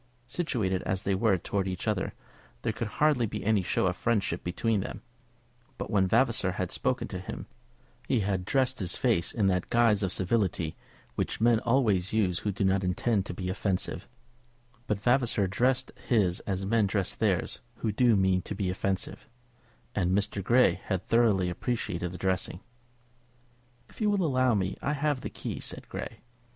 Situated as they were towards each other there could hardly be any show of friendship between them; but when Vavasor had spoken to him, he had dressed his face in that guise of civility which men always use who do not intend to be offensive; but Vavasor dressed his as men dress theirs who do mean to be offensive; and Mr. Grey had thoroughly appreciated the dressing. "If you will allow me, I have the key," said Grey.